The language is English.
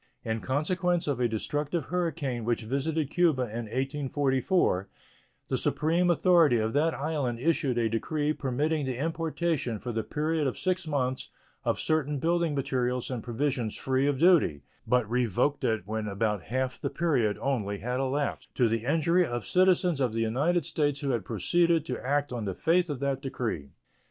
In consequence of a destructive hurricane which visited Cuba in 1844, the supreme authority of that island issued a decree permitting the importation for the period of six months of certain building materials and provisions free of duty, but revoked it when about half the period only had elapsed, to the injury of citizens of the United States who had proceeded to act on the faith of that decree.